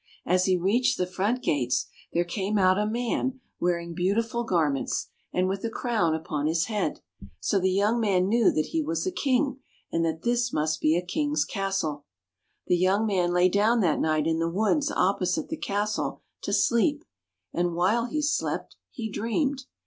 As he reached the front gates, there came out a man wearing beautiful garments, and with a crown upon his head. So the young man knew that he was a king, and that this must be a king's castle. The young man lay down that night in the woods opposite the castle, to sleep. And while he slept, he dreamed.